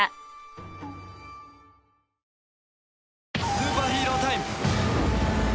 スーパーヒーロータイム。